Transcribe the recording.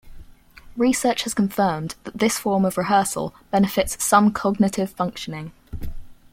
Research has confirmed that this form of rehearsal benefits some cognitive functioning.